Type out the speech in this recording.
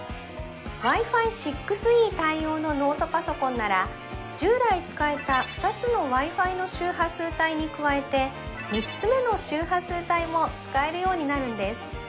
Ｗｉ−Ｆｉ６Ｅ対応のノートパソコンなら従来使えた２つのＷｉ−Ｆｉの周波数帯に加えて３つ目の周波数帯も使えるようになるんです